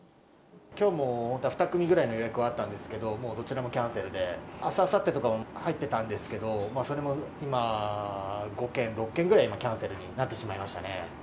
きょうも本当は２組ぐらいの予約があったんですけど、もうどちらもキャンセルで、あす、あさってとかも入ってたんですけど、それも今５件、６件ぐらい今、キャンセルになってしまいましたね。